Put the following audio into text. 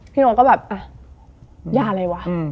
พี่โน๊ตก็แบบยาอะไรวะ